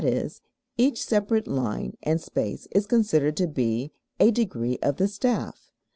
e._, each separate line and space is considered to be "a degree of the staff."